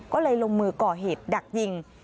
ก็เลยลงมือก่อเหตุดักยิง